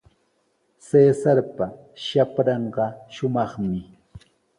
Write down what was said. Cesarpa shapranqa shumaqmi.